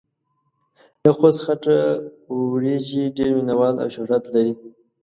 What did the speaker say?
دخوست خټه وريژې ډېر مينه وال او شهرت لري.